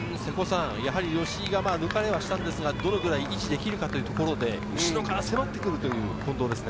吉居が抜かれはしましたが、どのくらい維持できるかというところで後ろから迫ってくる近藤ですね。